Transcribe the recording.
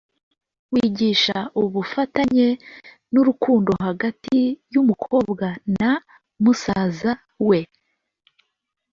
wigisha ubufatanye n’urukundo hagati y’umukobwa na musaza we